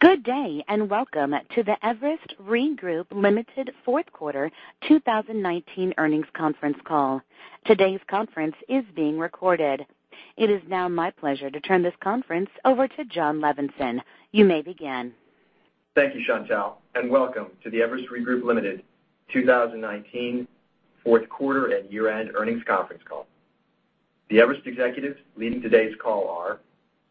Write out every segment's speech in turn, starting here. Good day, and welcome to the Everest Re Group, Ltd. Q4 2019 Earnings Conference Call. Today's conference is being recorded. It is now my pleasure to turn this conference over to Jon Levenson. You may begin. Thank you, Chantelle, and welcome to the Everest Re Group, Ltd. 2019 Q4 and year-end earnings conference call. The Everest executives leading today's call are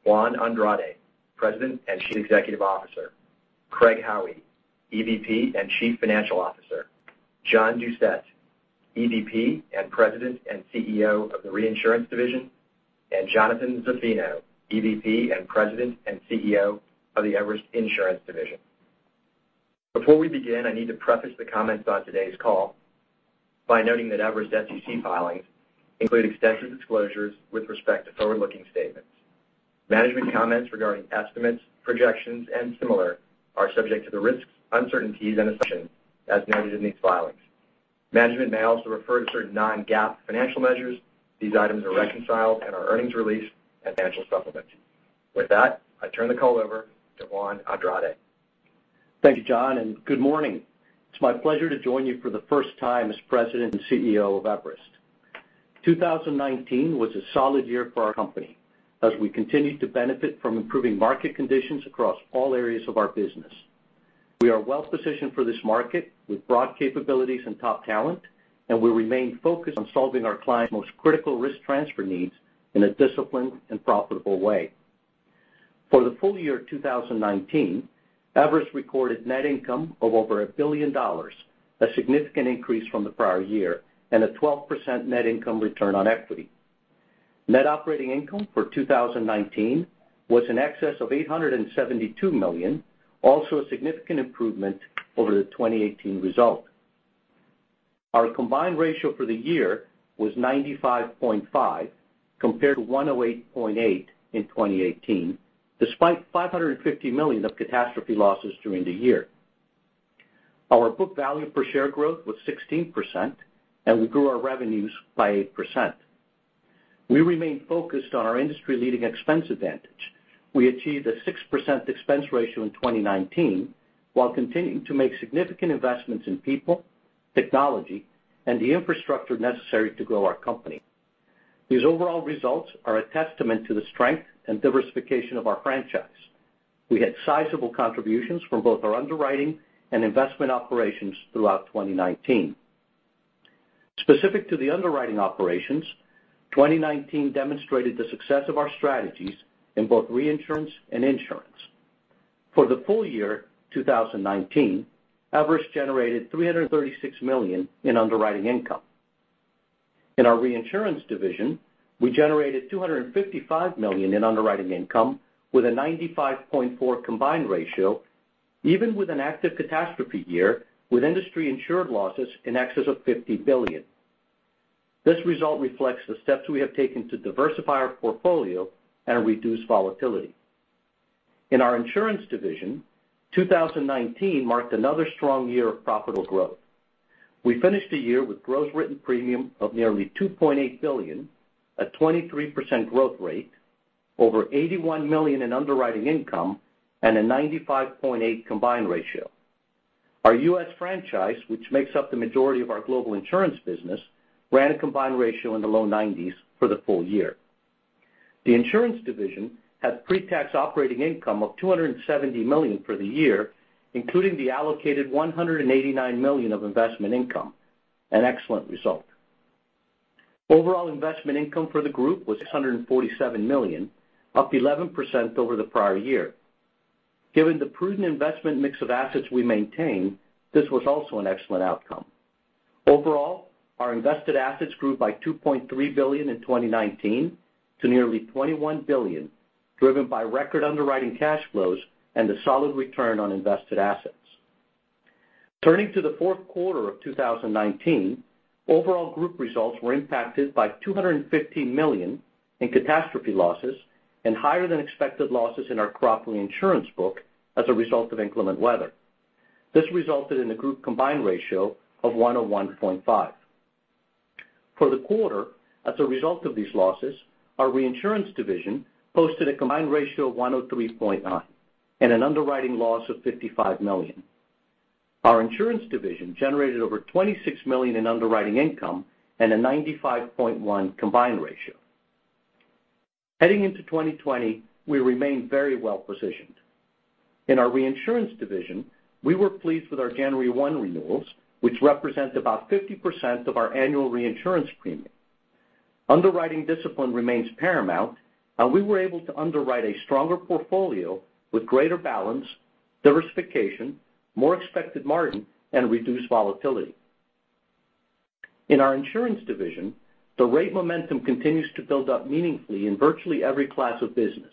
Juan Andrade, President and Chief Executive Officer, Craig Howie, EVP and Chief Financial Officer, John Doucette, EVP and President and CEO of the Reinsurance division, and Jonathan Zaffino, EVP and President and CEO of the Everest Insurance division. Before we begin, I need to preface the comments on today's call by noting that Everest SEC filings include extensive disclosures with respect to forward-looking statements. Management comments regarding estimates, projections, and similar are subject to the risks, uncertainties, and assumptions as noted in these filings. Management may also refer to certain non-GAAP financial measures. These items are reconciled in our earnings release and financial supplement. With that, I turn the call over to Juan Andrade. Thank you, Jon, and good morning. It's my pleasure to join you for the first time as President and CEO of Everest. 2019 was a solid year for our company as we continued to benefit from improving market conditions across all areas of our business. We are well-positioned for this market with broad capabilities and top talent, and we remain focused on solving our clients' most critical risk transfer needs in a disciplined and profitable way. For the full year 2019, Everest recorded net income of over $1 billion, a significant increase from the prior year, and a 12% net income return on equity. Net operating income for 2019 was in excess of $872 million, also a significant improvement over the 2018 result. Our combined ratio for the year was 95.5% compared to 108.8% in 2018, despite $550 million of catastrophe losses during the year. Our book value per share growth was 16%, and we grew our revenues by 8%. We remain focused on our industry-leading expense advantage. We achieved a 6% expense ratio in 2019 while continuing to make significant investments in people, technology, and the infrastructure necessary to grow our company. These overall results are a testament to the strength and diversification of our franchise. We had sizable contributions from both our underwriting and investment operations throughout 2019. Specific to the underwriting operations, 2019 demonstrated the success of our strategies in both reinsurance and insurance. For the full year 2019, Everest generated $336 million in underwriting income. In our Reinsurance division, we generated $255 million in underwriting income with a 95.4 combined ratio, even with an active catastrophe year with industry insured losses in excess of $50 billion. This result reflects the steps we have taken to diversify our portfolio and reduce volatility. In our insurance division, 2019 marked another strong year of profitable growth. We finished the year with gross written premium of nearly $2.8 billion, a 23% growth rate, over $81 million in underwriting income, and a 95.8 combined ratio. Our U.S. franchise, which makes up the majority of our global insurance business, ran a combined ratio in the low 90s for the full year. The insurance division had pre-tax operating income of $270 million for the year, including the allocated $189 million of investment income, an excellent result. Overall investment income for the group was $647 million, up 11% over the prior year. Given the prudent investment mix of assets we maintain, this was also an excellent outcome. Overall, our invested assets grew by $2.3 billion in 2019 to nearly $21 billion, driven by record underwriting cash flows and a solid return on invested assets. Turning to the Q4 of 2019, overall group results were impacted by $250 million in catastrophe losses and higher than expected losses in our crop and insurance book as a result of inclement weather. This resulted in a group combined ratio of 101.5%. For the quarter, as a result of these losses, our reinsurance division posted a combined ratio of 103.9% and an underwriting loss of $55 million. Our insurance division generated over $26 million in underwriting income and a 95.1% combined ratio. Heading into 2020, we remain very well-positioned. In our reinsurance division, we were pleased with our January 1st renewals, which represent about 50% of our annual reinsurance premium. Underwriting discipline remains paramount, and we were able to underwrite a stronger portfolio with greater balance, diversification, more expected margin, and reduced volatility. In our Insurance Division, the rate momentum continues to build up meaningfully in virtually every class of business.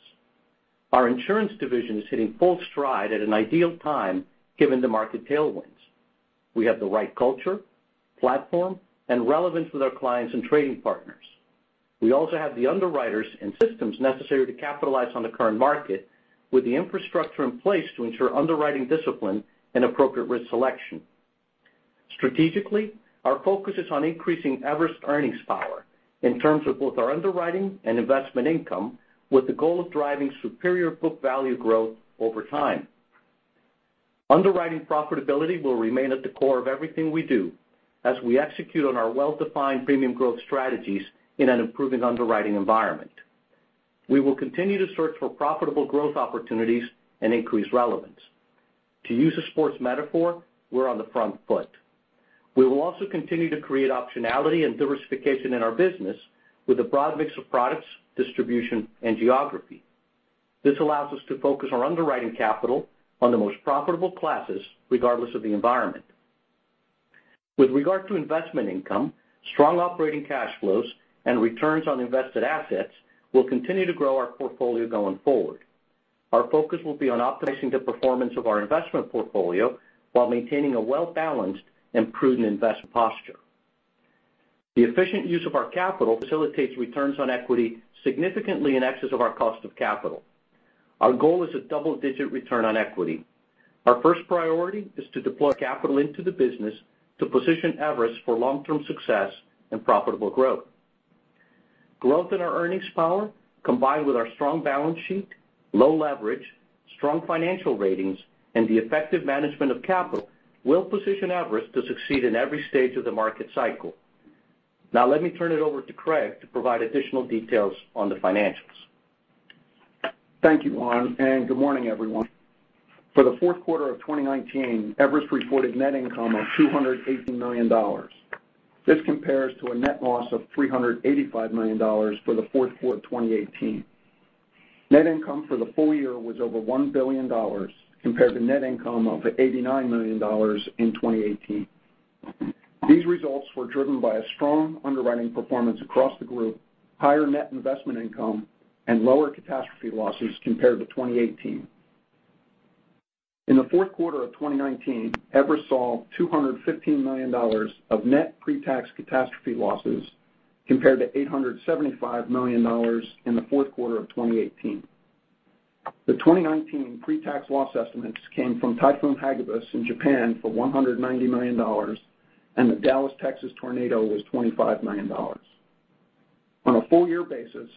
Our Insurance Division is hitting full stride at an ideal time given the market tailwinds. We have the right culture, platform, and relevance with our clients and trading partners. We also have the underwriters and systems necessary to capitalize on the current market with the infrastructure in place to ensure underwriting discipline and appropriate risk selection. Strategically, our focus is on increasing Everest's earnings power in terms of both our underwriting and investment income, with the goal of driving superior book value growth over time. Underwriting profitability will remain at the core of everything we do as we execute on our well-defined premium growth strategies in an improving underwriting environment. We will continue to search for profitable growth opportunities and increase relevance. To use a sports metaphor, we're on the front foot. We will also continue to create optionality and diversification in our business with a broad mix of products, distribution, and geography. This allows us to focus our underwriting capital on the most profitable classes, regardless of the environment. With regard to investment income, strong operating cash flows, and returns on invested assets will continue to grow our portfolio going forward. Our focus will be on optimizing the performance of our investment portfolio while maintaining a well-balanced and prudent investment posture. The efficient use of our capital facilitates returns on equity significantly in excess of our cost of capital. Our goal is a double-digit return on equity. Our first priority is to deploy capital into the business to position Everest for long-term success and profitable growth. Growth in our earnings power, combined with our strong balance sheet, low leverage, strong financial ratings, and the effective management of capital, will position Everest to succeed in every stage of the market cycle. Let me turn it over to Craig to provide additional details on the financials. Thank you, Jon, and good morning, everyone. For the Q4 of 2019, Everest reported net income of $218 million. This compares to a net loss of $385 million for the Q4 of 2018. Net income for the full year was over $1 billion, compared to net income of $89 million in 2018. These results were driven by a strong underwriting performance across the group, higher net investment income, and lower catastrophe losses compared to 2018. In the Q4 of 2019, Everest saw $215 million of net pre-tax catastrophe losses, compared to $875 million in the Q4 of 2018. The 2019 pre-tax loss estimates came from Typhoon Hagibis in Japan for $190 million, and the Dallas, Texas, tornado was $25 million. On a full-year basis,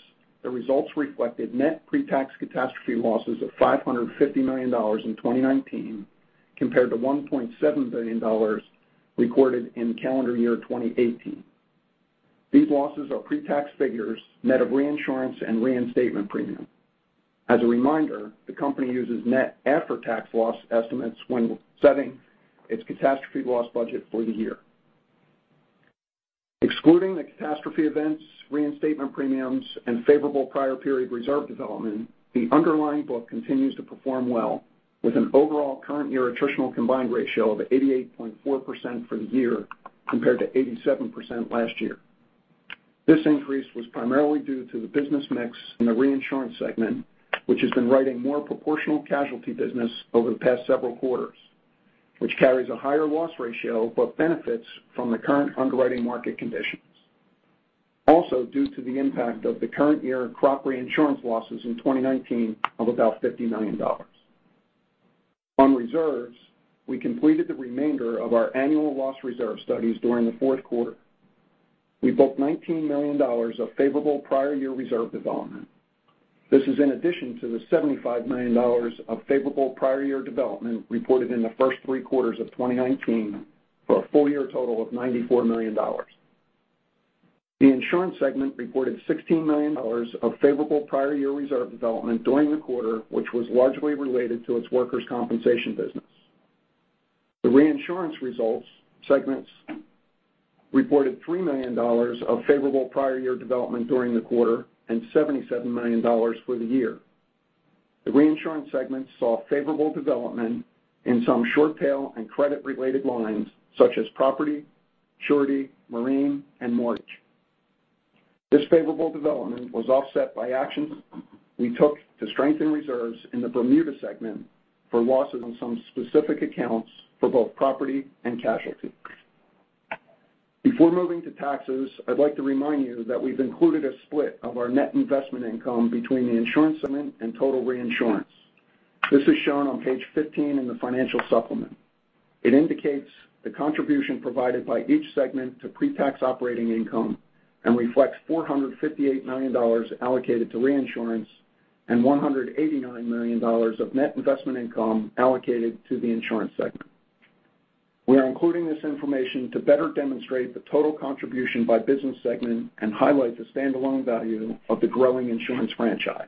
the results reflected net pre-tax catastrophe losses of $550 million in 2019, compared to $1.7 billion recorded in calendar year 2018. These losses are pre-tax figures, net of reinsurance and reinstatement premium. As a reminder, the company uses net after-tax loss estimates when setting its catastrophe loss budget for the year. Excluding the catastrophe events, reinstatement premiums, and favorable prior period reserve development, the underlying book continues to perform well, with an overall current year attritional combined ratio of 88.4% for the year, compared to 87% last year. This increase was primarily due to the business mix in the reinsurance segment, which has been writing more proportional casualty business over the past several quarters, which carries a higher loss ratio but benefits from the current underwriting market conditions. Also, due to the impact of the current year crop reinsurance losses in 2019 of about $50 million. On reserves, we completed the remainder of our annual loss reserve studies during the Q4. We booked $19 million of favorable prior year reserve development. This is in addition to the $75 million of favorable prior year development reported in the first three quarters of 2019, for a full-year total of $94 million. The insurance segment reported $16 million of favorable prior year reserve development during the quarter, which was largely related to its workers' compensation business. The reinsurance results segments reported $3 million of favorable prior year development during the quarter and $77 million for the year. The reinsurance segment saw favorable development in some short-tail and credit-related lines such as property, surety, marine, and mortgage. This favorable development was offset by actions we took to strengthen reserves in the Bermuda segment for losses on some specific accounts for both property and casualty. Before moving to taxes, I'd like to remind you that we've included a split of our net investment income between the insurance segment and total reinsurance. This is shown on page 15 in the financial supplement. It indicates the contribution provided by each segment to pre-tax operating income and reflects $458 million allocated to reinsurance and $189 million of net investment income allocated to the insurance segment. We are including this information to better demonstrate the total contribution by business segment and highlight the standalone value of the growing insurance franchise.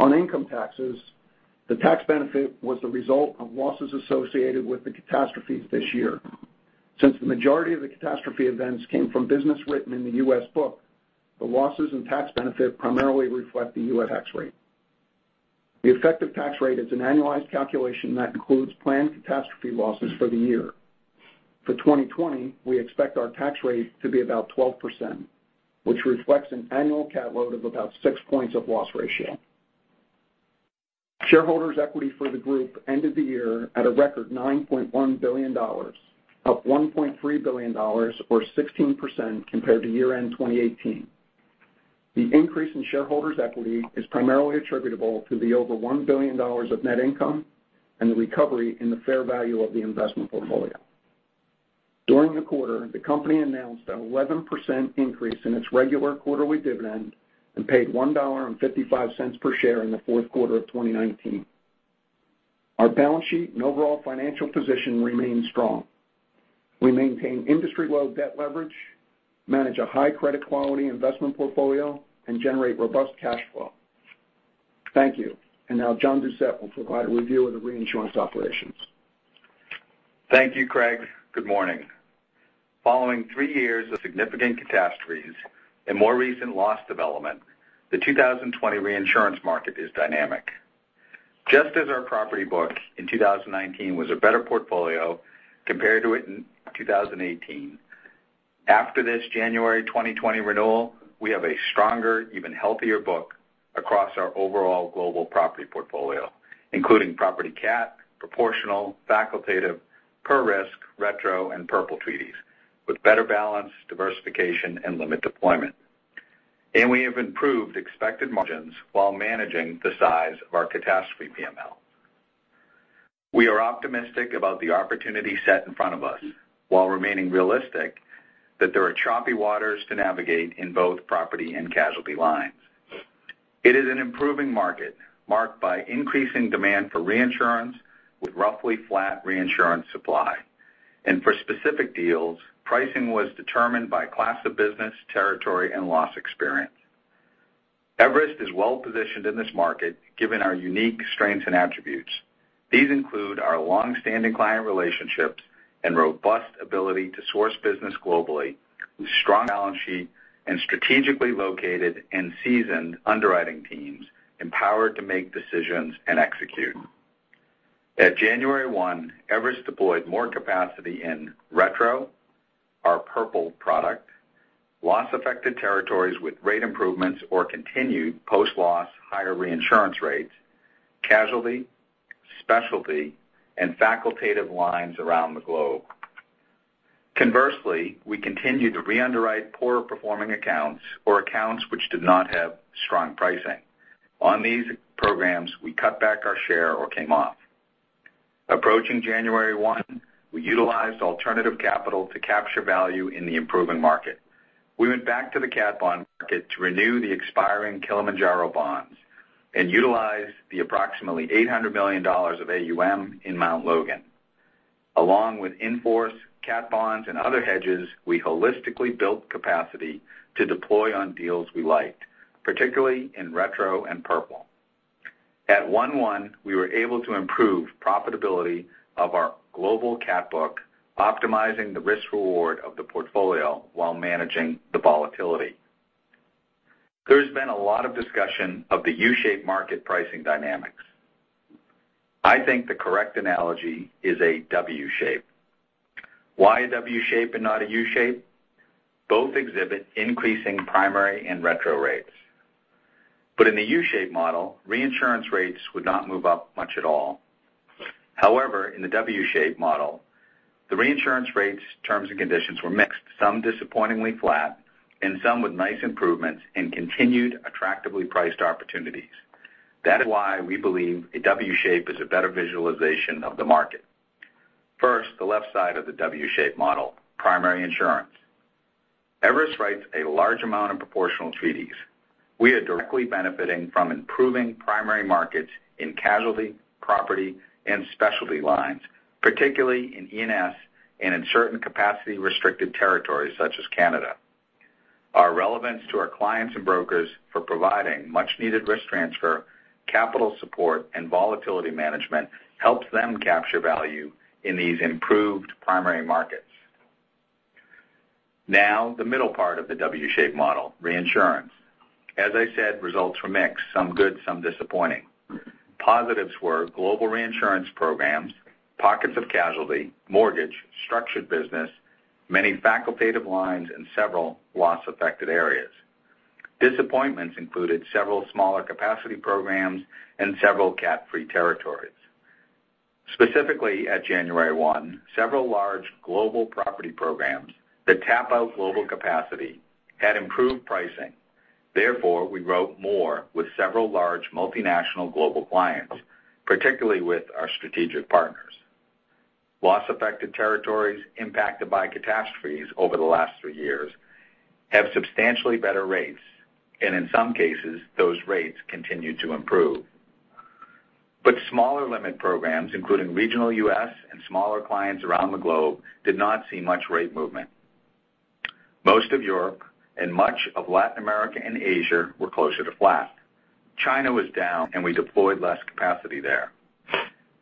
On income taxes, the tax benefit was the result of losses associated with the catastrophes this year. Since the majority of the catastrophe events came from business written in the U.S. book, the losses and tax benefit primarily reflect the U.S. tax rate. The effective tax rate is an annualized calculation that includes planned catastrophe losses for the year. For 2020, we expect our tax rate to be about 12%, which reflects an annual cat load of about six points of loss ratio. Shareholders' equity for the group ended the year at a record $9.1 billion, up $1.3 billion, or 16%, compared to year-end 2018. The increase in shareholders' equity is primarily attributable to the over $1 billion of net income and the recovery in the fair value of the investment portfolio. During the quarter, the company announced an 11% increase in its regular quarterly dividend and paid $1.55 per share in the Q4 of 2019. Our balance sheet and overall financial position remains strong. We maintain industry-low debt leverage, manage a high credit quality investment portfolio, and generate robust cash flow. Thank you. Now John Doucette will provide a review of the reinsurance operations. Thank you, Craig. Good morning. Following three years of significant catastrophes and more recent loss development, the 2020 reinsurance market is dynamic. Just as our property book in 2019 was a better portfolio compared to it in 2018, after this January 2020 renewal, we have a stronger, even healthier book across our overall global property portfolio, including property cat, proportional, facultative, per risk, retro, and Purple treaties, with better balance, diversification, and limit deployment. We have improved expected margins while managing the size of our catastrophe PML. We are optimistic about the opportunity set in front of us, while remaining realistic that there are choppy waters to navigate in both property and casualty lines. It is an improving market marked by increasing demand for reinsurance with roughly flat reinsurance supply. For specific deals, pricing was determined by class of business, territory, and loss experience. Everest is well-positioned in this market given our unique strengths and attributes. These include our longstanding client relationships and robust ability to source business globally with strong balance sheet and strategically located and seasoned underwriting teams empowered to make decisions and execute. On January 1, Everest deployed more capacity in retro, our purple product, loss-affected territories with rate improvements or continued post-loss higher reinsurance rates, casualty, specialty, and facultative lines around the globe. Conversely, we continued to re-underwrite poor-performing accounts or accounts which did not have strong pricing. On these programs, we cut back our share or came off. Approaching January 1, we utilized alternative capital to capture value in the improving market. We went back to the cat bond market to renew the expiring Kilimanjaro bonds and utilized the approximately $800 million of AUM in Mount Logan. Along with in-force cat bonds and other hedges, we holistically built capacity to deploy on deals we liked, particularly in retro and Purple. At one-one, we were able to improve profitability of our global cat book, optimizing the risk reward of the portfolio while managing the volatility. There's been a lot of discussion of the U-shaped market pricing dynamics. I think the correct analogy is a W shape. Why a W shape and not a U shape? Both exhibit increasing primary and retro rates. In the U shape model, reinsurance rates would not move up much at all. However, in the W shape model, the reinsurance rates terms and conditions were mixed, some disappointingly flat and some with nice improvements and continued attractively priced opportunities. That is why we believe a W shape is a better visualization of the market. The left side of the W-shape model, primary insurance. Everest writes a large amount of proportional treaties. We are directly benefiting from improving primary markets in casualty, property, and specialty lines, particularly in E&S and in certain capacity-restricted territories such as Canada. Our relevance to our clients and brokers for providing much-needed risk transfer, capital support, and volatility management helps them capture value in these improved primary markets. The middle part of the W-shape model, reinsurance. As I said, results were mixed, some good, some disappointing. Positives were global reinsurance programs, pockets of casualty, mortgage, structured business, many facultative lines, and several loss-affected areas. Disappointments included several smaller capacity programs and several cat-free territories. Specifically at January 1, several large global property programs that tap out global capacity had improved pricing. We wrote more with several large multinational global clients, particularly with our strategic partners. Loss-affected territories impacted by catastrophes over the last three years have substantially better rates, and in some cases, those rates continued to improve. Smaller limit programs, including regional U.S. and smaller clients around the globe, did not see much rate movement. Most of Europe and much of Latin America and Asia were closer to flat. China was down, and we deployed less capacity there.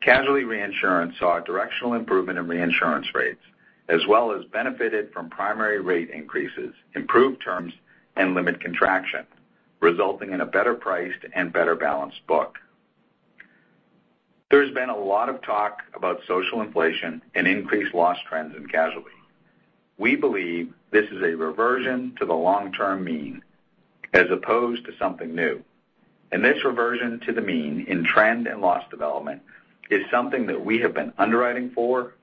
Casualty reinsurance saw a directional improvement in reinsurance rates, as well as benefited from primary rate increases, improved terms, and limit contraction, resulting in a better-priced and better-balanced book. There's been a lot of talk about social inflation and increased loss trends in casualty. We believe this is a reversion to the long-term mean as opposed to something new. This reversion to the mean in trend and loss development is something that we have been underwriting for,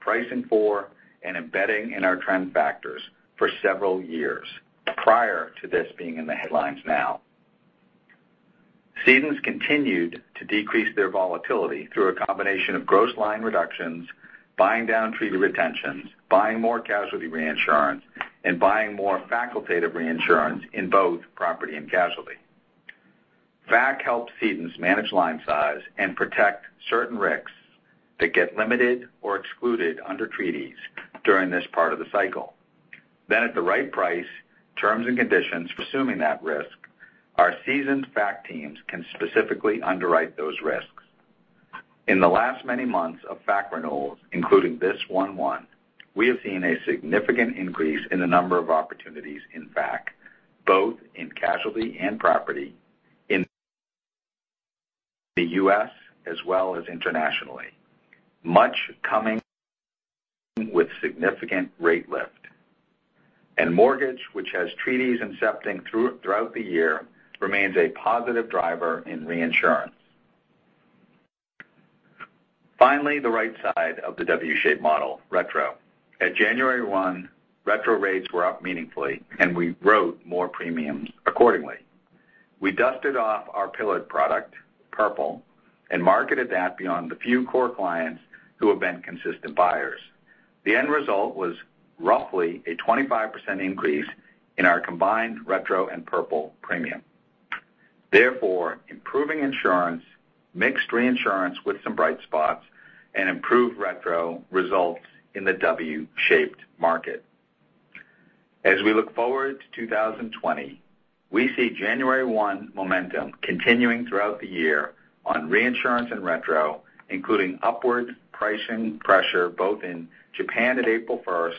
pricing for, and embedding in our trend factors for several years prior to this being in the headlines now. Cedants continued to decrease their volatility through a combination of gross line reductions, buying down treaty retentions, buying more casualty reinsurance, and buying more facultative reinsurance in both property and casualty. FAC helped cedants manage line size and protect certain risks that get limited or excluded under treaties during this part of the cycle. At the right price, terms and conditions for assuming that risk, our seasoned FAC teams can specifically underwrite those risks. In the last many months of FAC renewals, including this one, we have seen a significant increase in the number of opportunities in FAC, both in casualty and property in the U.S. as well as internationally. Much coming with significant rate lift. Mortgage, which has treaties incepting throughout the year remains a positive driver in reinsurance. Finally, the right side of the W-shaped model, retro. At January one, retro rates were up meaningfully and we wrote more premiums accordingly. We dusted off our pillared product, Purple, and marketed that beyond the few core clients who have been consistent buyers. The end result was roughly a 25% increase in our combined retro and Purple premium. Improving insurance, mixed reinsurance with some bright spots, and improved retro results in the W-shaped market. As we look forward to 2020, we see January 1 momentum continuing throughout the year on reinsurance and retro, including upward pricing pressure both in Japan on April 1st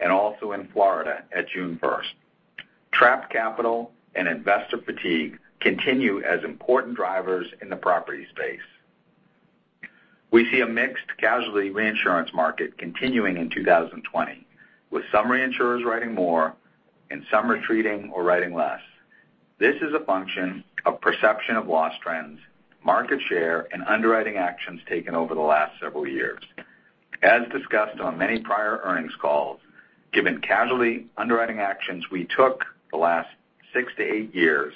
and also in Florida on June 1st. Trapped capital and investor fatigue continue as important drivers in the property space. We see a mixed casualty reinsurance market continuing in 2020, with some reinsurers writing more and some retreating or writing less. This is a function of perception of loss trends, market share, and underwriting actions taken over the last several years. As discussed on many prior earnings calls, given casualty underwriting actions we took the last six to eight years,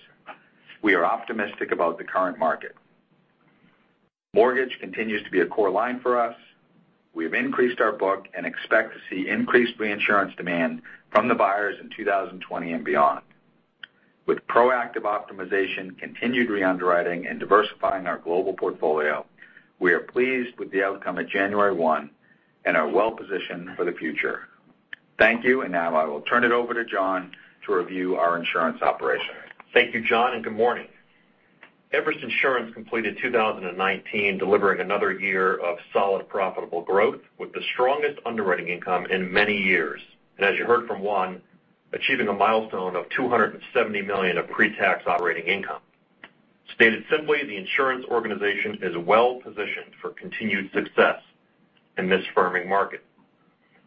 we are optimistic about the current market. Mortgage continues to be a core line for us. We have increased our book and expect to see increased reinsurance demand from the buyers in 2020 and beyond. With proactive optimization, continued re-underwriting, and diversifying our global portfolio, we are pleased with the outcome at January one and are well-positioned for the future. Thank you. Now I will turn it over to Jonathan to review our insurance operation. Thank you, John, and good morning. Everest Insurance completed 2019 delivering another year of solid profitable growth with the strongest underwriting income in many years. As you heard from Juan, achieving a milestone of $270 million of pre-tax operating income. Stated simply, the insurance organization is well-positioned for continued success in this firming market.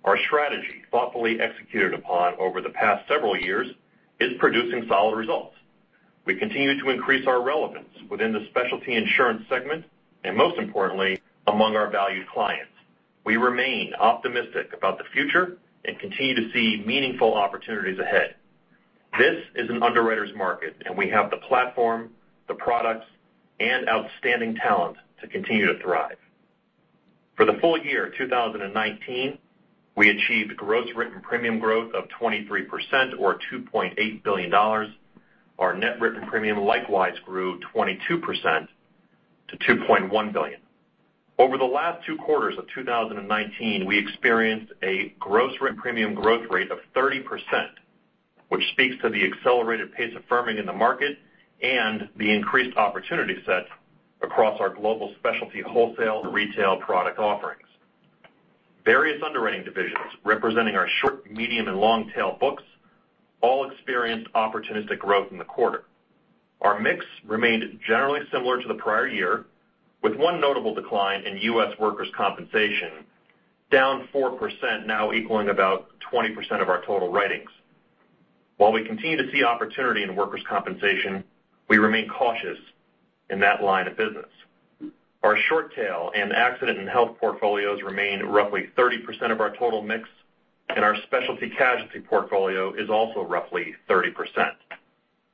Our strategy, thoughtfully executed upon over the past several years, is producing solid results. We continue to increase our relevance within the specialty insurance segment, and most importantly, among our valued clients. We remain optimistic about the future and continue to see meaningful opportunities ahead. This is an underwriter's market, and we have the platform, the products, and outstanding talent to continue to thrive. For the full year 2019, we achieved gross written premium growth of 23% or $2.8 billion. Our net written premium likewise grew 22% to $2.1 billion. Over the last two quarters of 2019, we experienced a gross written premium growth rate of 30%, which speaks to the accelerated pace of firming in the market and the increased opportunity set across our global specialty wholesale and retail product offerings. Various underwriting divisions representing our short, medium, and long-tail books all experienced opportunistic growth in the quarter. Our mix remained generally similar to the prior year, with one notable decline in U.S. workers' compensation, down 4%, now equaling about 20% of our total writings. While we continue to see opportunity in workers' compensation, we remain cautious in that line of business. Our short tail and accident and health portfolios remain roughly 30% of our total mix, and our specialty casualty portfolio is also roughly 30%.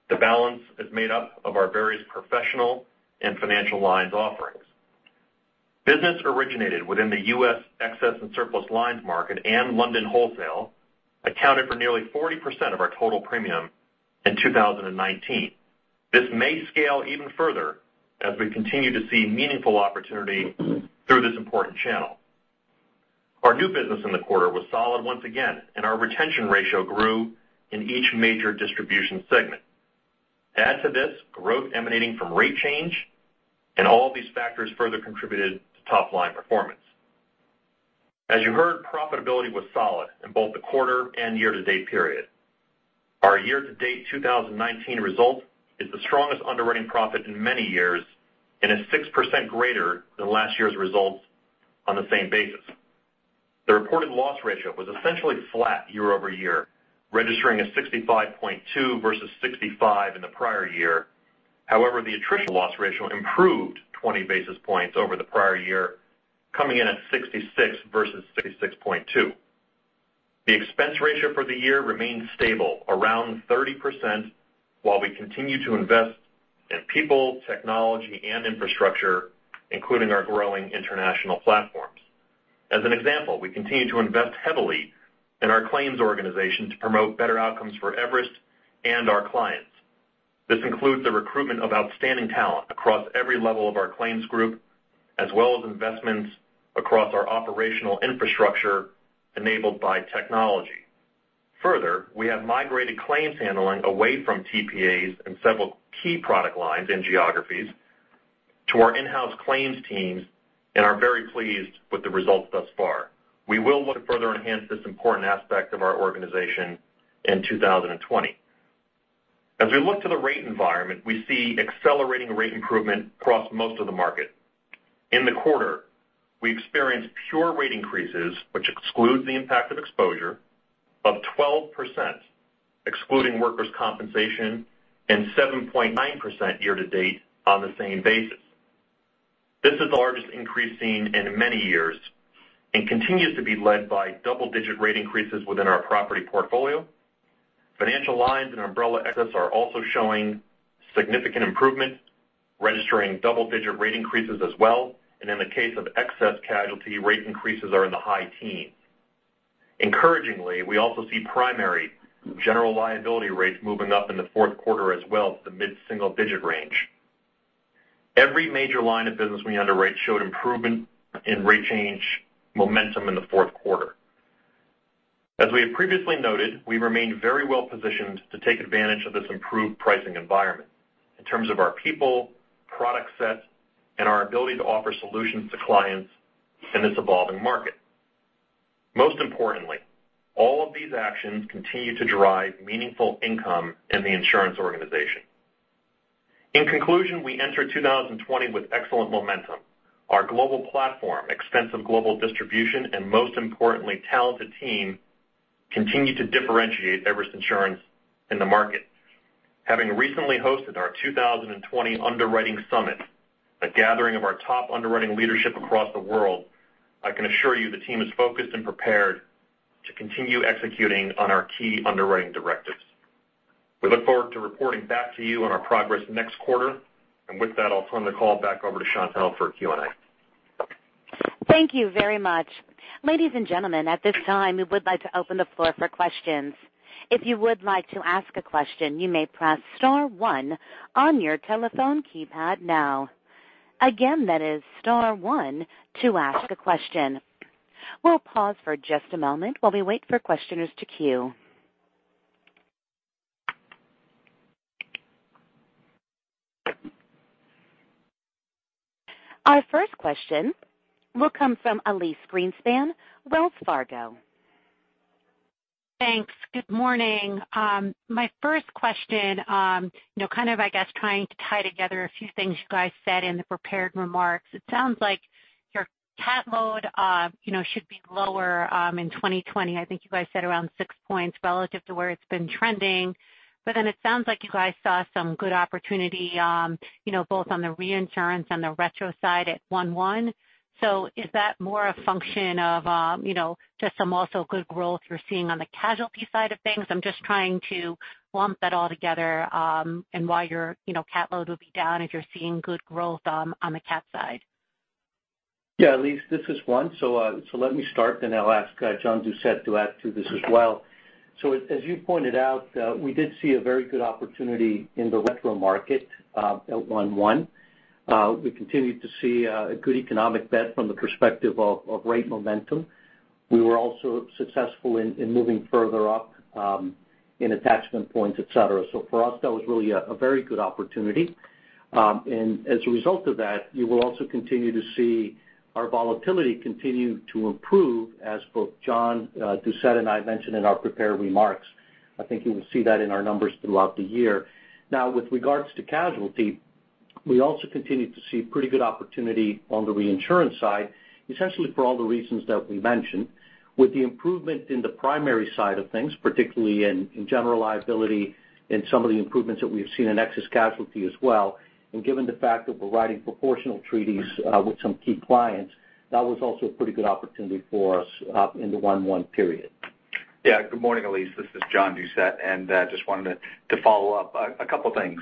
The balance is made up of our various professional and financial lines offerings. Business originated within the U.S. excess and surplus lines market and London wholesale accounted for nearly 40% of our total premium in 2019. This may scale even further as we continue to see meaningful opportunity through this important channel. Our new business in the quarter was solid once again, and our retention ratio grew in each major distribution segment. Add to this growth emanating from rate change, and all these factors further contributed to top-line performance. As you heard, profitability was solid in both the quarter and year-to-date period. Our year-to-date 2019 result is the strongest underwriting profit in many years and is 6% greater than last year's results on the same basis. The reported loss ratio was essentially flat year-over-year, registering at 65.2 versus 65 in the prior year. However, the attritional loss ratio improved 20 basis points over the prior year, coming in at 66 versus 66.2. The expense ratio for the year remained stable around 30%, while we continue to invest in people, technology and infrastructure, including our growing international platforms. As an example, we continue to invest heavily in our claims organization to promote better outcomes for Everest Re Group and our clients. This includes the recruitment of outstanding talent across every level of our claims group, as well as investments across our operational infrastructure enabled by technology. Further, we have migrated claims handling away from TPAs in several key product lines and geographies to our in-house claims teams and are very pleased with the results thus far. We will look to further enhance this important aspect of our organization in 2020. As we look to the rate environment, we see accelerating rate improvement across most of the market. In the quarter, we experienced pure rate increases, which excludes the impact of exposure of 12%, excluding workers' compensation and 7.9% year to date on the same basis. This is the largest increase seen in many years and continues to be led by double-digit rate increases within our property portfolio. Financial lines and umbrella excess are also showing significant improvement, registering double-digit rate increases as well. In the case of excess casualty, rate increases are in the high teens. Encouragingly, we also see primary general liability rates moving up in the Q4 as well to the mid-single-digit range. Every major line of business we underwrite showed improvement in rate change momentum in the Q4. As we have previously noted, we remain very well positioned to take advantage of this improved pricing environment in terms of our people, product set, and our ability to offer solutions to clients in this evolving market. Most importantly, all of these actions continue to drive meaningful income in the Insurance Organization. In conclusion, we enter 2020 with excellent momentum. Our global platform, extensive global distribution, and most importantly, talented team continue to differentiate Everest Insurance in the market. Having recently hosted our 2020 underwriting summit, a gathering of our top underwriting leadership across the world, I can assure you the team is focused and prepared to continue executing on our key underwriting directives. We look forward to reporting back to you on our progress next quarter. With that, I'll turn the call back over to Chantelle for Q&A. Thank you very much. Ladies and gentlemen, at this time, we would like to open the floor for questions. If you would like to ask a question, you may press star one on your telephone keypad now. Again, that is star one to ask a question. We'll pause for just a moment while we wait for questioners to queue. Our first question will come from Elyse Greenspan, Wells Fargo. Thanks. Good morning. My first question, kind of, I guess, trying to tie together a few things you guys said in the prepared remarks. It sounds like your cat load should be lower in 2020. I think you guys said around six points relative to where it's been trending. It sounds like you guys saw some good opportunity both on the reinsurance and the retro side at one-one. Is that more a function of just some also good growth you're seeing on the casualty side of things? I'm just trying to lump that all together and why your cat load will be down if you're seeing good growth on the cat side. Yeah, Elyse, this is Juan. Let me start then I'll ask John Doucette to add to this as well. As you pointed out, we did see a very good opportunity in the retro market at one-one. We continued to see a good economic bet from the perspective of rate momentum. We were also successful in moving further up in attachment points, et cetera. For us, that was really a very good opportunity. As a result of that, you will also continue to see our volatility continue to improve as both John Doucette and I mentioned in our prepared remarks. I think you will see that in our numbers throughout the year. With regards to casualty, we also continued to see pretty good opportunity on the reinsurance side, essentially for all the reasons that we mentioned. With the improvement in the primary side of things, particularly in general liability and some of the improvements that we've seen in excess casualty as well and given the fact that we're writing proportional treaties with some key clients, that was also a pretty good opportunity for us in the one-one period. Good morning, Elyse. This is John Doucette, just wanted to follow up a couple things.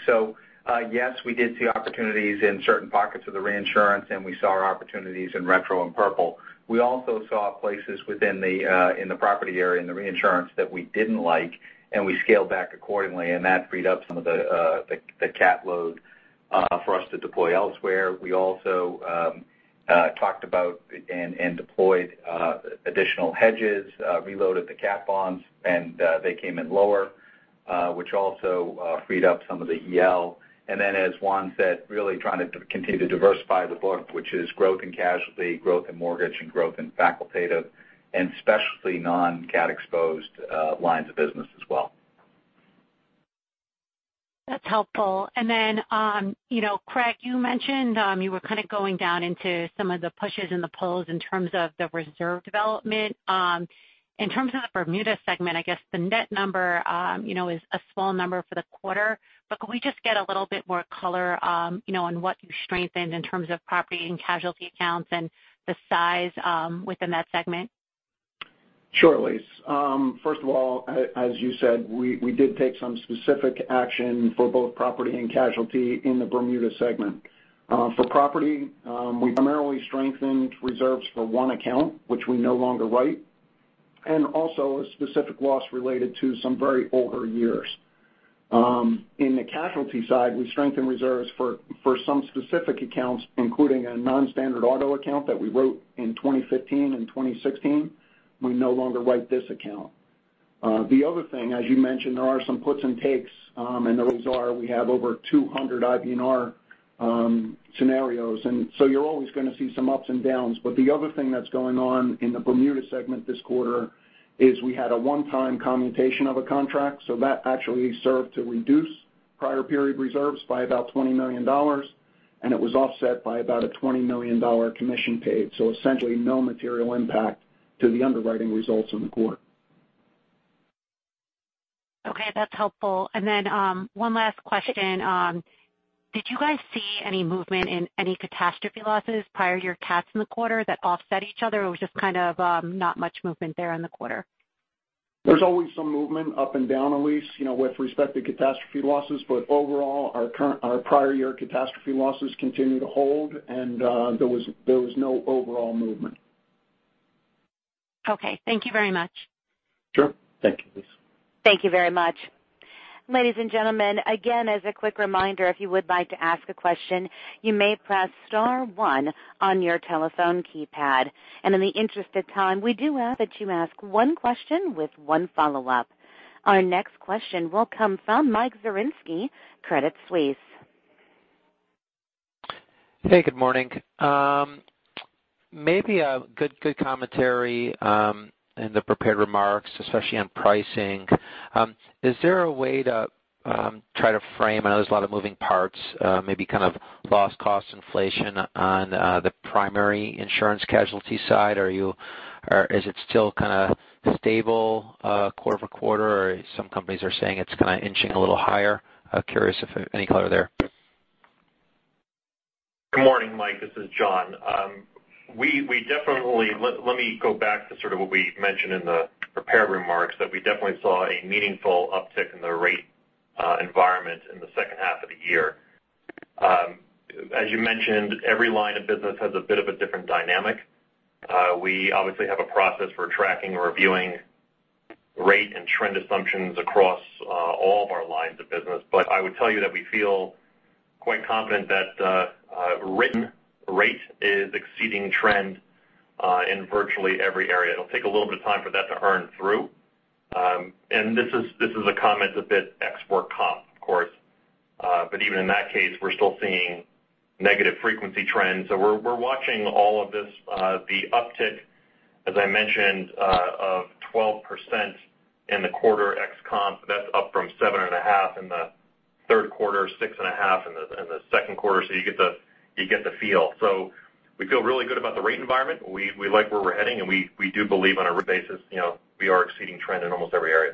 Yes, we did see opportunities in certain pockets of the reinsurance, we saw opportunities in retro and Purple. We also saw places within the property area and the reinsurance that we didn't like, and we scaled back accordingly, and that freed up some of the cat load for us to deploy elsewhere. We also talked about and deployed additional hedges, reloaded the cat bonds, and they came in lower, which also freed up some of the EL. As Juan said, really trying to continue to diversify the book, which is growth in casualty, growth in mortgage, and growth in facultative and specialty non-cat exposed lines of business as well. That's helpful. Craig, you mentioned you were kind of going down into some of the pushes and the pulls in terms of the reserve development. In terms of the Bermuda segment, I guess the net number is a small number for the quarter, but could we just get a little bit more color on what you strengthened in terms of property and casualty accounts and the size within that segment? Sure, Elyse. First of all, as you said, we did take some specific action for both property and casualty in the Bermuda segment. For property, we primarily strengthened reserves for one account, which we no longer write, and also a specific loss related to some very older years. In the casualty side, we strengthened reserves for some specific accounts, including a non-standard auto account that we wrote in 2015 and 2016. We no longer write this account. The other thing, as you mentioned, there are some puts and takes, and the reason are we have over 200 IBNR scenarios. You're always going to see some ups and downs. The other thing that's going on in the Bermuda segment this quarter is we had a one-time commutation of a contract, so that actually served to reduce prior period reserves by about $20 million, and it was offset by about a $20 million commission paid. Essentially no material impact to the underwriting results in the quarter. Okay, that's helpful. One last question. Did you guys see any movement in any catastrophe losses, prior year cats in the quarter that offset each other, or was just kind of not much movement there in the quarter? There's always some movement up and down, Elyse, with respect to catastrophe losses. Overall, our prior year catastrophe losses continue to hold, and there was no overall movement. Okay. Thank you very much. Sure. Thank you, Elyse. Thank you very much. Ladies and gentlemen, again, as a quick reminder, if you would like to ask a question, you may press star one on your telephone keypad. In the interest of time, we do ask that you ask one question with one follow-up. Our next question will come from Michael Zaremski, Credit Suisse. Hey, good morning. Maybe a good commentary in the prepared remarks, especially on pricing. Is there a way to try to frame, I know there's a lot of moving parts, maybe kind of loss cost inflation on the primary insurance casualty side? Is it still kind of stable quarter-over-quarter, or some companies are saying it's kind of inching a little higher? Curious if any color there. Good morning, Mike. This is John. Let me go back to sort of what we mentioned in the prepared remarks, that we definitely saw a meaningful uptick in the rate environment in the H2 of the year. As you mentioned, every line of business has a bit of a different dynamic. We obviously have a process for tracking and reviewing rate and trend assumptions across all of our lines of business. I would tell you that we feel quite confident that written rate is exceeding trend in virtually every area. It'll take a little bit of time for that to earn through. This is a comment a bit ex-year comp, of course. Even in that case, we're still seeing negative frequency trends. We're watching all of this. The uptick, as I mentioned, of 12% in the quarter ex comp, that's up from seven and a half in the third quarter, six and a half in the Q2. You get the feel. We feel really good about the rate environment. We like where we're heading, and we do believe on a rate basis we are exceeding trend in almost every area.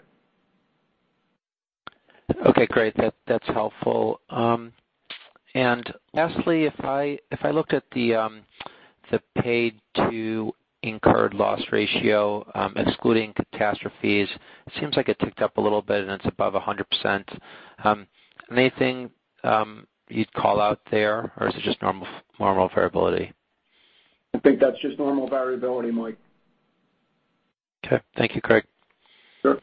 Okay, great. That's helpful. Lastly, if I looked at the paid to incurred loss ratio, excluding catastrophes, it seems like it ticked up a little bit and it's above 100%. Anything you'd call out there, or is it just normal variability? I think that's just normal variability, Mike. Okay. Thank you, Craig. Sure.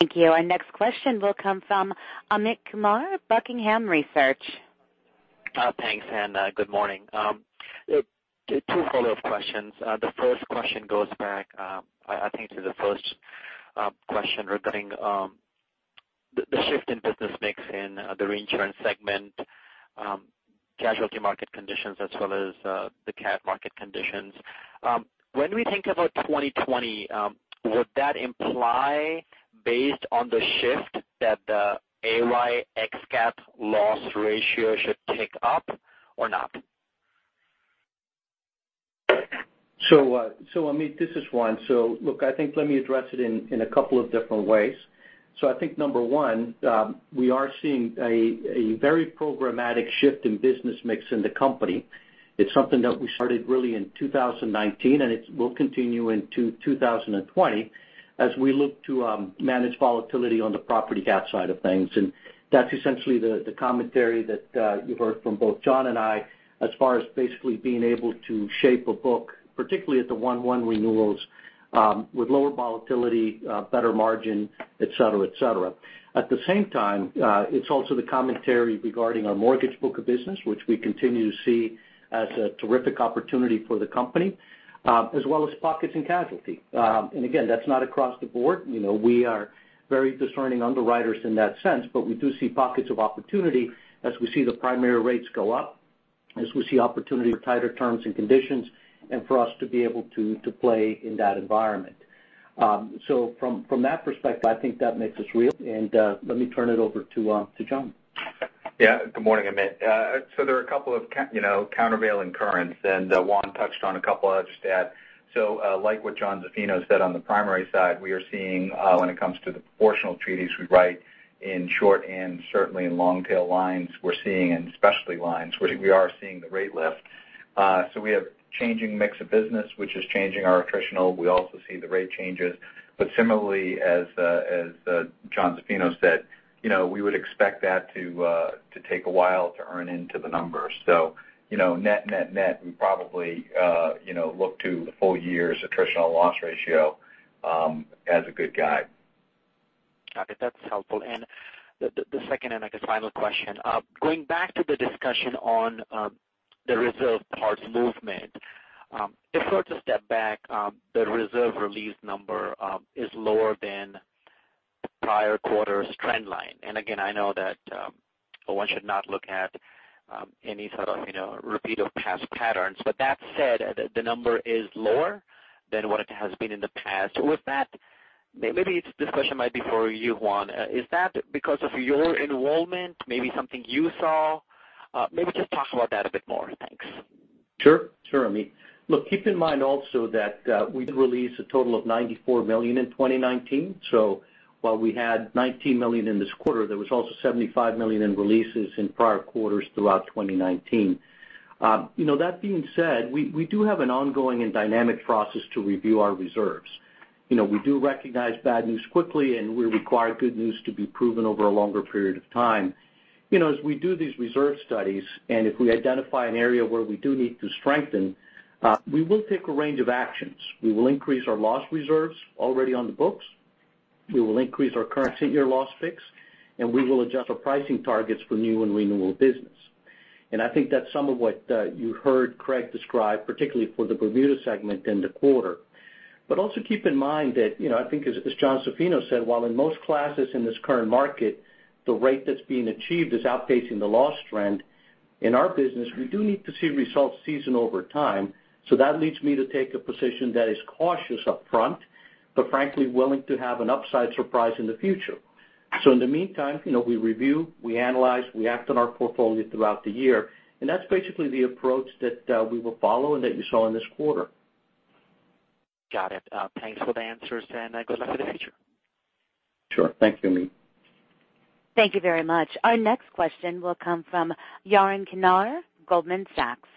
Thank you. Our next question will come from Amit Kumar, Buckingham Research. Thanks, and good morning. Two follow-up questions. The first question goes back, I think to the first question regarding the shift in business mix in the reinsurance segment, casualty market conditions as well as the cat market conditions. When we think about 2020, would that imply, based on the shift, that the A-Y ex-cat loss ratio should pick up or not? Amit, this is Juan. Look, I think let me address it in a couple of different ways. I think number 1, we are seeing a very programmatic shift in business mix in the company. It's something that we started really in 2019. It will continue into 2020 as we look to manage volatility on the property cat side of things. That's essentially the commentary that you've heard from both John and I as far as basically being able to shape a book, particularly at the one-one renewals, with lower volatility, better margin, et cetera. At the same time, it's also the commentary regarding our mortgage book of business, which we continue to see as a terrific opportunity for the company, as well as pockets in casualty. Again, that's not across the board. We are very discerning underwriters in that sense, but we do see pockets of opportunity as we see the primary rates go up. As we see opportunity with tighter terms and conditions, and for us to be able to play in that environment. From that perspective, I think that makes us real. Let me turn it over to John. Yeah. Good morning, Amit. There are a couple of countervailing currents, and Juan touched on a couple. I'll just add, like what Jonathan Zaffino said on the primary side, we are seeing when it comes to the proportional treaties we write in short and certainly in long-tail lines, we're seeing in specialty lines, we are seeing the rate lift. We have changing mix of business, which is changing our attritional. We also see the rate changes, but similarly as Jonathan Zaffino said, we would expect that to take a while to earn into the numbers. Net, net, we probably look to the full year's attritional loss ratio as a good guide. Got it. That's helpful. The second, and I guess final question, going back to the discussion on the reserve parts movement. If we're to step back, the reserve release number is lower than prior quarter's trend line. Again, I know that one should not look at any sort of repeat of past patterns, but that said, the number is lower than what it has been in the past. With that, maybe this question might be for you, Juan. Is that because of your involvement, maybe something you saw? Maybe just talk about that a bit more. Thanks. Sure, Amit Kumar. Look, keep in mind also that we did release a total of $94 million in 2019. While we had $19 million in this quarter, there was also $75 million in releases in prior quarters throughout 2019. That being said, we do have an ongoing and dynamic process to review our reserves. We do recognize bad news quickly, and we require good news to be proven over a longer period of time. As we do these reserve studies, and if we identify an area where we do need to strengthen, we will take a range of actions. We will increase our loss reserves already on the books, we will increase our current year loss fix, and we will adjust our pricing targets for new and renewal business. I think that's some of what you heard Craig Howie describe, particularly for the Bermuda segment in the quarter. Also keep in mind that, I think as John Zaffino said, while in most classes in this current market, the rate that's being achieved is outpacing the loss trend. In our business, we do need to see results season over time. That leads me to take a position that is cautious upfront, but frankly, willing to have an upside surprise in the future. In the meantime, we review, we analyze, we act on our portfolio throughout the year, and that's basically the approach that we will follow and that you saw in this quarter. Got it. Thanks for the answers, and good luck for the future. Sure. Thank you, Amit. Thank you very much. Our next question will come from Yaron Kinar, Goldman Sachs.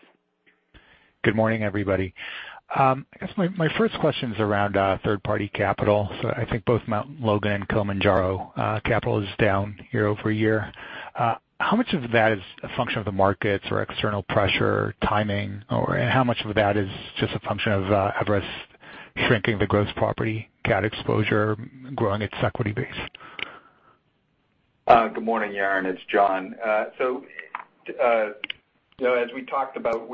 Good morning, everybody. I guess my first question's around third-party capital. I think both Mt. Logan and Kilimanjaro capital is down year-over-year. How much of that is a function of the markets or external pressure, timing, or how much of that is just a function of Everest shrinking the gross property cat exposure, growing its equity base? Good morning, Yaron. It's John. As we talked about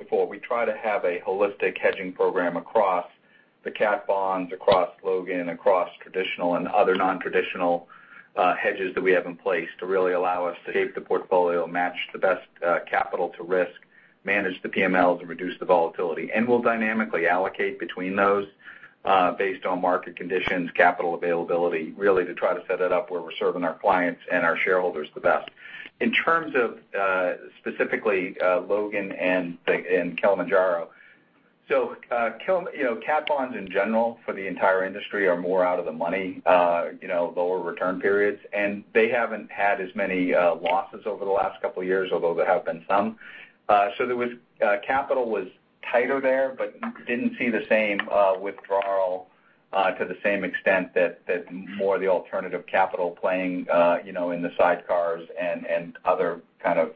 before, we try to have a holistic hedging program across the cat bonds, across Logan, across traditional and other non-traditional hedges that we have in place to really allow us to shape the portfolio, match the best capital to risk, manage the PMLs, and reduce the volatility. We'll dynamically allocate between those based on market conditions, capital availability, really to try to set it up where we're serving our clients and our shareholders the best. In terms of specifically Logan and Kilimanjaro. Cat bonds in general for the entire industry are more out of the money, lower return periods, and they haven't had as many losses over the last couple of years, although there have been some. Capital was tighter there but didn't see the same withdrawal to the same extent that more the alternative capital playing in the sidecars and other kind of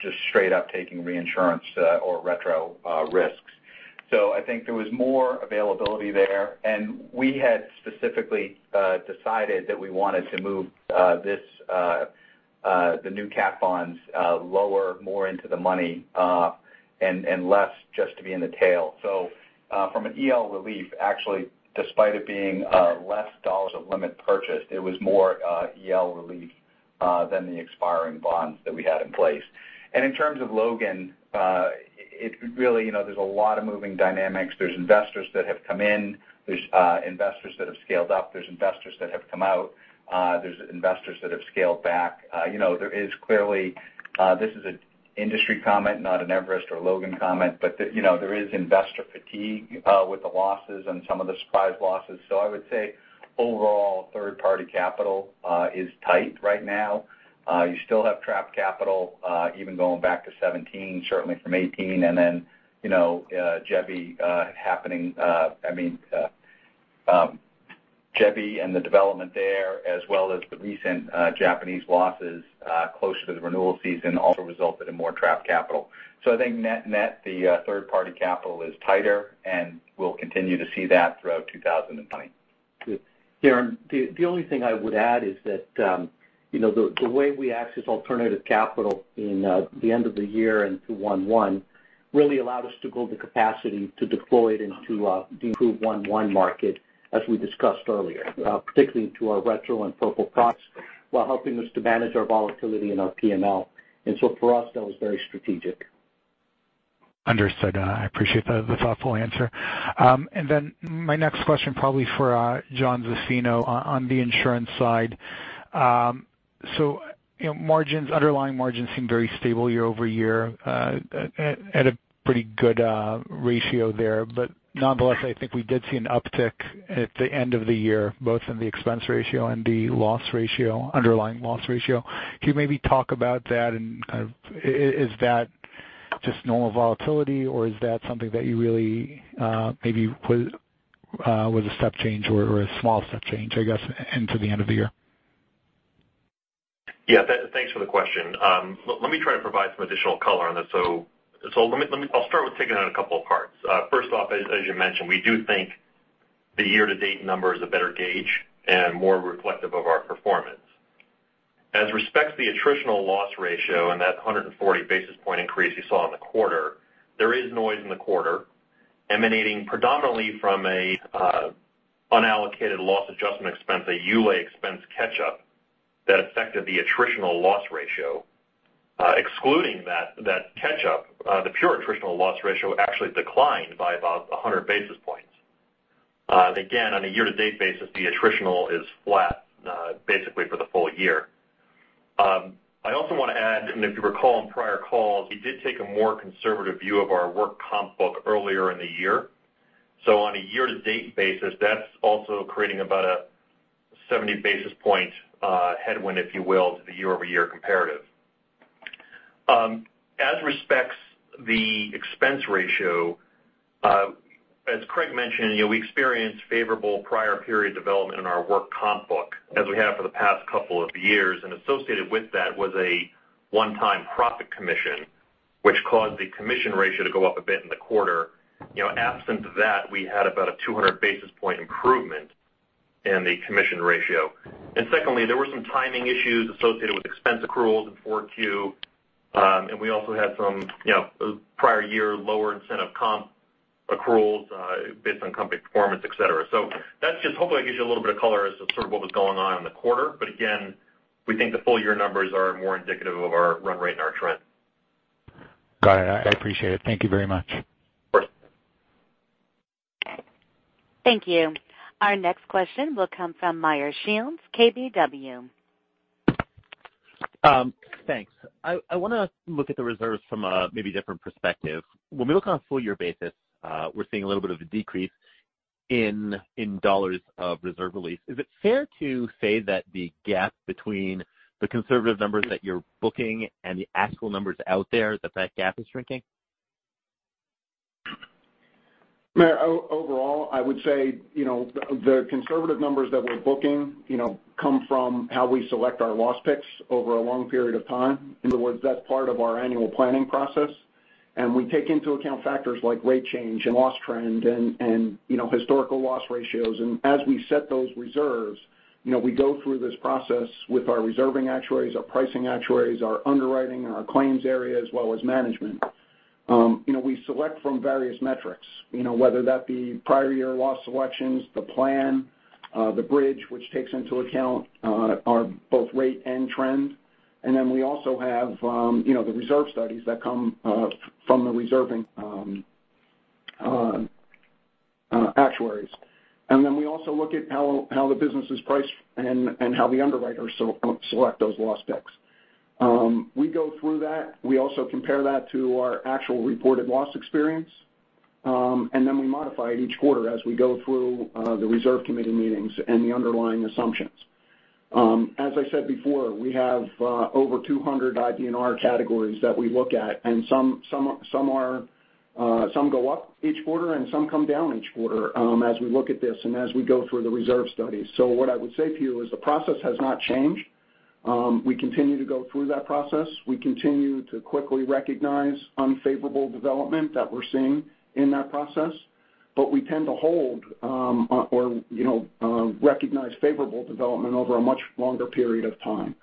just straight up taking reinsurance or retro risks. I think there was more availability there, and we had specifically decided that we wanted to move the new cat bonds lower, more into the money, and less just to be in the tail. From an EL relief, actually, despite it being less dollars of limit purchased, it was more EL relief than the expiring bonds that we had in place. In terms of Logan, there's a lot of moving dynamics. There are investors that have come in, there's investors that have scaled up, there's investors that have come out, there's investors that have scaled back. This is an industry comment, not an Everest or Logan comment. There is investor fatigue with the losses and some of the surprise losses. I would say overall, third-party capital is tight right now. You still have trapped capital even going back to 2017, certainly from 2018. Typhoon Jebi and the development there, as well as the recent Japanese losses closer to the renewal season also resulted in more trapped capital. I think net, the third-party capital is tighter, and we'll continue to see that throughout 2020. Good, Yaron, the only thing I would add is that the way we access alternative capital in the end of the year into one-one really allowed us to build the capacity to deploy it into the improved one-one market, as we discussed earlier. Particularly into our retro and Purple props, while helping us to manage our volatility in our PML. For us, that was very strategic. Understood. I appreciate the thoughtful answer. My next question probably for Jonathan Zaffino on the insurance side. Underlying margins seem very stable year-over-year at a pretty good ratio there. Nonetheless, I think we did see an uptick at the end of the year, both in the expense ratio and the underlying loss ratio. Can you maybe talk about that and is that just normal volatility or is that something that you really maybe was a step change or a small step change, I guess, into the end of the year? Yeah. Thanks for the question. Let me try to provide some additional color on this. I'll start with taking it on a couple of parts. First off, as you mentioned, we do think the year-to-date number is a better gauge and more reflective of our performance. As respects to the attritional loss ratio and that 140-basis point increase you saw in the quarter, there is noise in the quarter emanating predominantly from an unallocated loss adjustment expense, a ULAE expense catch-up that affected the attritional loss ratio. Excluding that catch-up, the pure attritional loss ratio actually declined by about 100-basis points. Again, on a year-to-date basis, the attritional is flat basically for the full year. I also want to add, and if you recall on prior calls, we did take a more conservative view of our work comp book earlier in the year. On a year-to-date basis, that's also creating about a 70-basis point headwind, if you will, to the year-over-year comparative. As respects the expense ratio, as Craig mentioned, we experienced favorable prior period development in our work comp book as we have for the past couple of years. Associated with that was a one-time profit commission, which caused the commission ratio to go up a bit in the quarter. Absent that, we had about a 200-basis point improvement in the commission ratio. Secondly, there were some timing issues associated with expense accruals in 4Q, and we also had some prior year lower incentive comp accruals based on company performance, et cetera. That just hopefully gives you a little bit of color as to sort of what was going on in the quarter. Again, we think the full-year numbers are more indicative of our run rate and our trend. Got it. I appreciate it. Thank you very much. Of course. Thank you. Our next question will come from Meyer Shields, KBW. Thanks. I want to look at the reserves from a maybe different perspective. When we look on a full year basis, we're seeing a little bit of a decrease in dollars of reserve release. Is it fair to say that the gap between the conservative numbers that you're booking and the actual numbers out there, that that gap is shrinking? Meyer, overall, I would say the conservative numbers that we're booking come from how we select our loss picks over a long period of time. In other words, that's part of our annual planning process, and we take into account factors like rate change and loss trend and historical loss ratios. As we set those reserves, we go through this process with our reserving actuaries, our pricing actuaries, our underwriting, and our claims area, as well as management. We select from various metrics, whether that be prior year loss selections, the plan, the bridge, which takes into account both rate and trend, and then we also have the reserve studies that come from the reserving actuaries. Then we also look at how the business is priced and how the underwriters select those loss picks. We go through that. We also compare that to our actual reported loss experience, and then we modify it each quarter as we go through the reserve committee meetings and the underlying assumptions. As I said before, we have over 200 IBNR categories that we look at, and some go up each quarter and some come down each quarter as we look at this and as we go through the reserve studies. What I would say to you is the process has not changed. We continue to go through that process. We continue to quickly recognize unfavorable development that we're seeing in that process, but we tend to hold or recognize favorable development over a much longer period of time.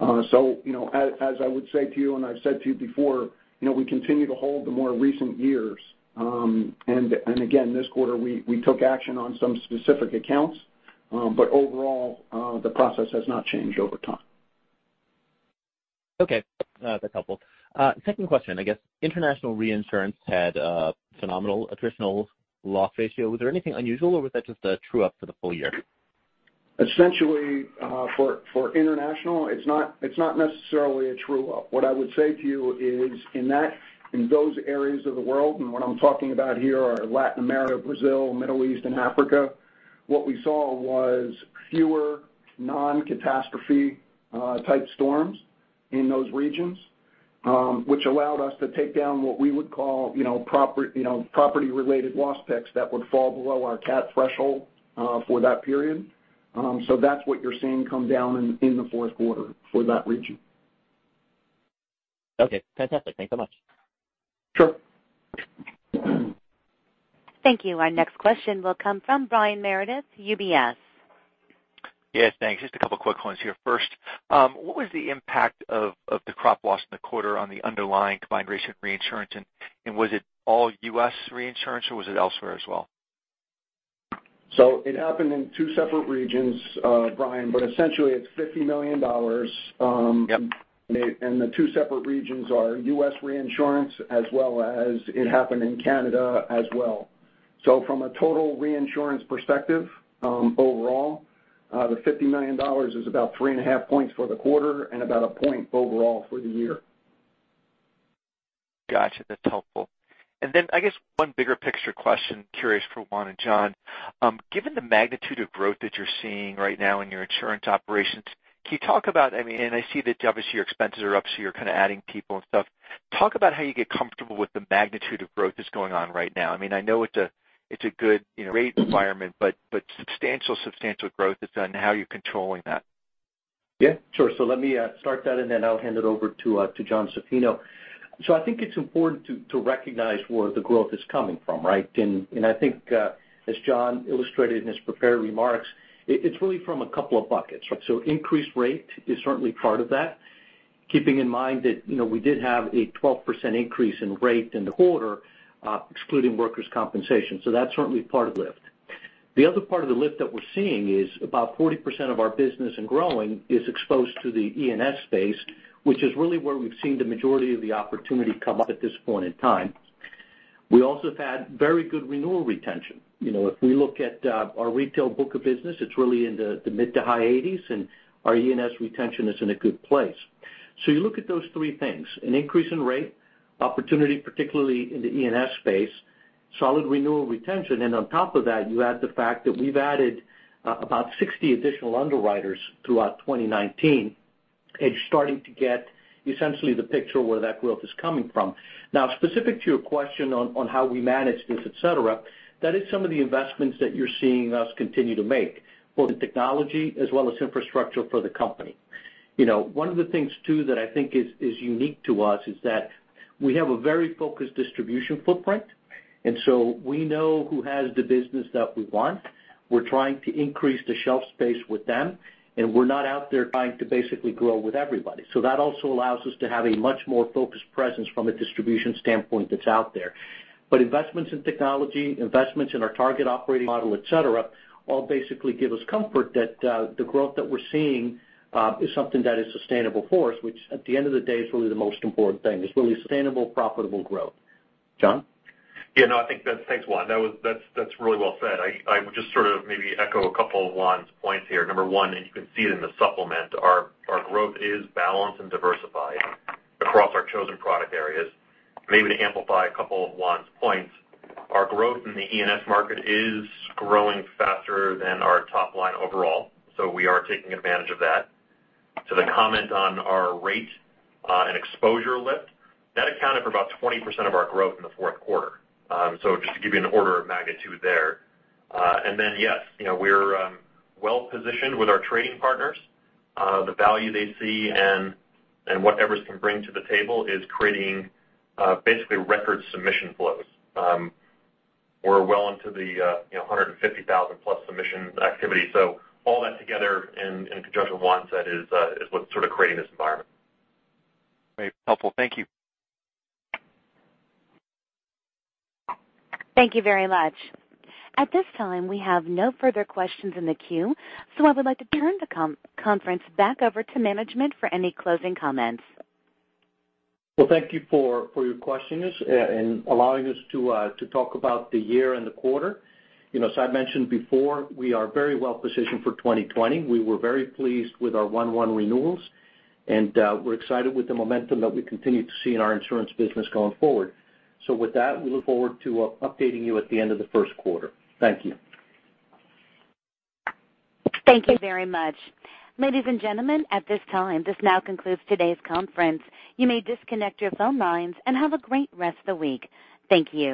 As I would say to you, and I've said to you before, we continue to hold the more recent years. Again, this quarter, we took action on some specific accounts, but overall, the process has not changed over time. Okay. That's helpful. Second question, I guess international reinsurance had a phenomenal attritional loss ratio. Was there anything unusual or was that just a true-up for the full year? Essentially for international, it's not necessarily a true-up. What I would say to you is in those areas of the world, what I'm talking about here are Latin America, Brazil, Middle East, and Africa, what we saw was fewer non-catastrophe type storms in those regions, which allowed us to take down what we would call property-related loss picks that would fall below our cat threshold for that period. That's what you're seeing come down in the Q4 for that region. Okay, fantastic. Thanks so much. Sure. Thank you. Our next question will come from Brian Meredith, UBS. Yes, thanks. Just a couple of quick ones here. First, what was the impact of the crop loss in the quarter on the underlying combined ratio of reinsurance, and was it all U.S. reinsurance or was it elsewhere as well? It happened in two separate regions, Brian, but essentially it's $50 million. The two separate regions are U.S. reinsurance, as well as it happened in Canada as well. From a total reinsurance perspective, overall, the $50 million is about three and a half points for the quarter and about one point overall for the year. Got you. That's helpful. I guess one bigger picture question, curious for Juan and John. Given the magnitude of growth that you're seeing right now in your insurance operations, can you talk about And I see that obviously your expenses are up, so you're kind of adding people and stuff. Talk about how you get comfortable with the magnitude of growth that's going on right now. I know it's a good rate environment, but substantial growth is done, how are you controlling that? Yeah, sure. Let me start that, and then I'll hand it over to John Zaffino. I think it's important to recognize where the growth is coming from, right? I think, as John illustrated in his prepared remarks, it's really from a couple of buckets. Increased rate is certainly part of that, keeping in mind that we did have a 12% increase in rate in the quarter, excluding workers' compensation, so that's certainly part of the lift. The other part of the lift that we're seeing is about 40% of our business in growing is exposed to the E&S space, which is really where we've seen the majority of the opportunity come up at this point in time. We also have had very good renewal retention. If we look at our retail book of business, it's really in the mid to high 80s, and our E&S retention is in a good place. You look at those three things, an increase in rate, opportunity, particularly in the E&S space, solid renewal retention, and on top of that, you add the fact that we've added about 60 additional underwriters throughout 2019, and you're starting to get essentially the picture of where that growth is coming from. Specific to your question on how we manage this, et cetera, that is some of the investments that you're seeing us continue to make, both in technology as well as infrastructure for the company. One of the things too that I think is unique to us is that we have a very focused distribution footprint, and so we know who has the business that we want. We're trying to increase the shelf space with them, and we're not out there trying to basically grow with everybody. That also allows us to have a much more focused presence from a distribution standpoint that's out there. Investments in technology, investments in our target operating model, et cetera, all basically give us comfort that the growth that we're seeing is something that is sustainable for us, which at the end of the day, is really the most important thing, is really sustainable, profitable growth. Jon? Thanks, Juan. That's really well said. I would just maybe echo a couple of Juan's points here. Number one, you can see it in the supplement, our growth is balanced and diversified across our chosen product areas. Maybe to amplify a couple of Juan's points, our growth in the E&S market is growing faster than our top line overall, so we are taking advantage of that. To the comment on our rate and exposure lift, that accounted for about 20% of our growth in the Q4. Just to give you an order of magnitude there. Yes, we're well-positioned with our trading partners. The value they see and what Everest can bring to the table is creating basically record submission flows. We're well into the 150,000-plus submission activity. All that together in conjunction with Juan said is what's sort of creating this environment. Very helpful. Thank you. Thank you very much. At this time, we have no further questions in the queue. I would like to turn the conference back over to management for any closing comments. Well, thank you for your questions and allowing us to talk about the year and the quarter. As I mentioned before, we are very well-positioned for 2020. We were very pleased with our one-one renewals, and we're excited with the momentum that we continue to see in our insurance business going forward. With that, we look forward to updating you at the end of the Q1. Thank you. Thank you very much. Ladies and gentlemen, at this time, this now concludes today's conference. You may disconnect your phone lines and have a great rest of the week. Thank you.